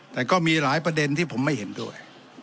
แต่ก็มีหลายประเด็นที่ผมไม่เห็นด้วย